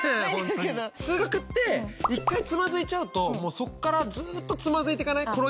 数学って一回つまずいちゃうともうそっからずっとつまずいていかない？